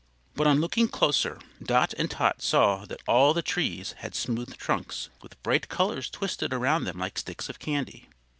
But on looking closer, Dot and Tot saw that all the trees had smooth trunks, with bright colors twisted around them like sticks of candy.